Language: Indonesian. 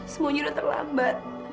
semuanya udah terlambat